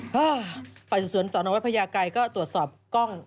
ก็ฝ่ายสวนสอนอวัดพญาไกรก็ตรวจสอบกล้อง